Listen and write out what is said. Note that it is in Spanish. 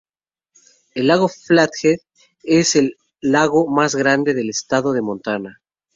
El lago Flathead es el lago más grande del estado de Montana.